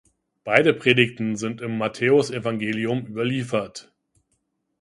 Beide Predigten sind im Matthäusevangelium überliefert.